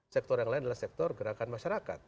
sektor yang lain adalah sektor gerakan masyarakat